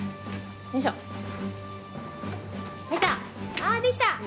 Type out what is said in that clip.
あできた！